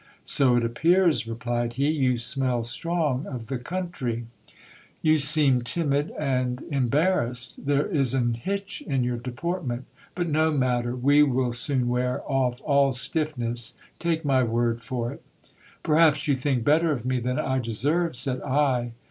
So it appears, replied he, you smell strong of the coun try. You seem timid and embarrassed ; there is an hitch in your deportment. But no matter, we will soon wear off all stiffness, take my word for it Perhaps you think better of me than I deserve, said I.